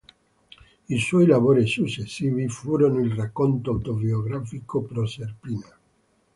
I suoi lavori successivi furono il racconto autobiografico "Proserpina.